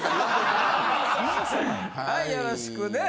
はいよろしくです。